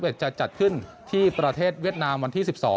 จะจัดขึ้นที่ประเทศเวียดนามวันที่๑๒